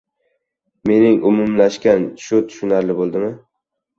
Mening umumlashmam – shu. Tushunarli boʻldimi?